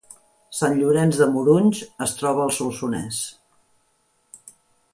Sant Llorenç de Morunys es troba al Solsonès